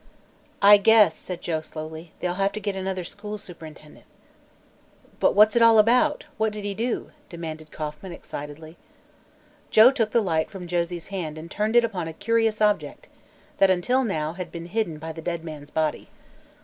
"I guess," said Joe slowly, "they'll have to get another school superintendent." "But what's it all about? What did he do?" demanded Kauffman excitedly. Joe took the light from Josie's hand and turned it upon a curious object that until now had been hidden by the dead man's body.